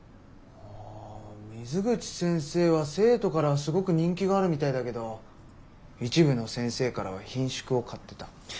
あ水口先生は生徒からすごく人気があるみたいだけど一部の先生からはひんしゅくを買ってた。